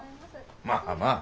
まあまあ。